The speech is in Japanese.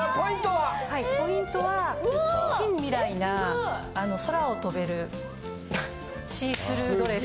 はいポイントは近未来な空を飛べるシースルードレス。